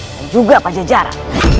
dan juga pajajara